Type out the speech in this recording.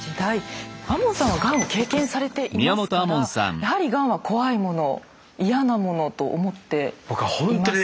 亞門さんはがんを経験されていますからやはりがんは怖いもの嫌なものと思っていますよね？